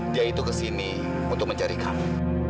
dia itu kesini untuk mencari kami